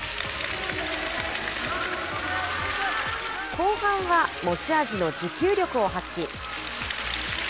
後半は持ち味の持久力を発揮。